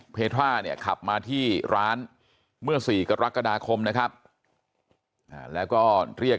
เพทราเนี่ยขับมาที่ร้านเมื่อ๔กรกฎาคมนะครับแล้วก็เรียก